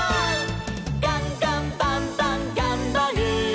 「ガンガンバンバンがんばる！」